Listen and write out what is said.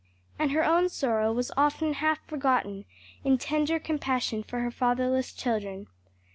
And her own sorrow was often half forgotten in tender compassion for her fatherless children.